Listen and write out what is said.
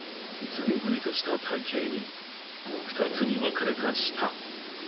ずんぐりとした体形に、２つに分かれた舌。